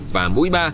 và mũi ba